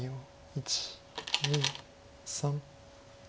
１２３。